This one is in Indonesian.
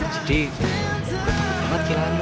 jadi gue takut banget kira kira